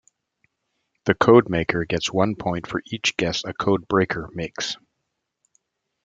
The codemaker gets one point for each guess a codebreaker makes.